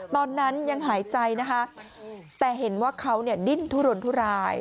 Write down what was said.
ตอนนั้นยังหายใจนะคะแต่เห็นว่าเขาเนี่ยดิ้นทุรนทุราย